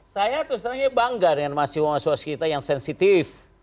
saya tuh sering bangga dengan masyarakat kita yang sensitif